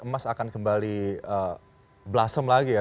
mas akan kembali blasem lagi ya